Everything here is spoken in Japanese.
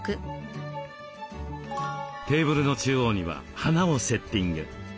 テーブルの中央には花をセッティング。